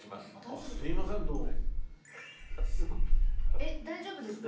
えっ大丈夫ですか？